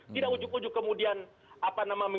tidak ujuk ujuk kemudian apa namanya